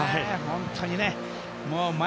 本当にね。